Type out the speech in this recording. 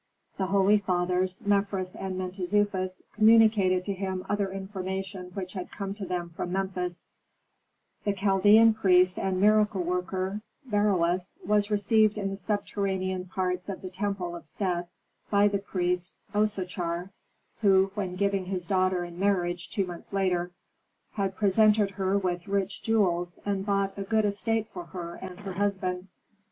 The holy fathers, Mefres and Mentezufis, communicated to him other information which had come to them from Memphis: The Chaldean priest and miracle worker, Beroes, was received in the subterranean parts of the temple of Set by the priest Osochar, who, when giving his daughter in marriage two months later, had presented her with rich jewels and bought a good estate for her and her husband.